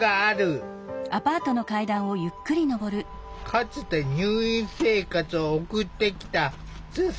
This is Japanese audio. かつて入院生活を送ってきた津坂さん。